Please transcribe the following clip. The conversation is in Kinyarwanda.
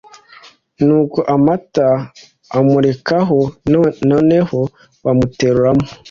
Nuko amata amurekaho noneho bamuteruramo